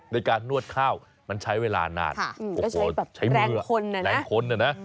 ในการนวดข้าวมันใช้เวลานานใช้แรงคนเนี่ยนะ